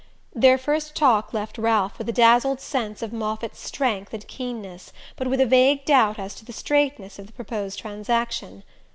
Their first talk left Ralph with a dazzled sense of Moffatt's strength and keenness, but with a vague doubt as to the "straightness" of the proposed transaction.